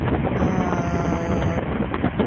Tom kelas berapa?